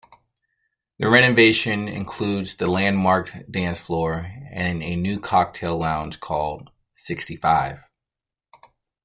The renovation includes the landmarked dance floor and a new cocktail lounge called SixtyFive.